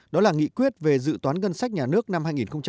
đó là nghị quyết về dự toán ngân sách nhà nước năm hai nghìn một mươi bảy